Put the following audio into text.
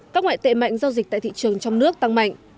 các ngoại tệ mạnh giao dịch tại thị trường trong nước tăng mạnh